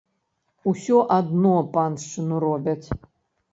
Усё адно паншчыну робяць.